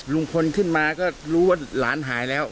ลุงพลขึ้นมาก็รู้ว่าหลานหายแล้ว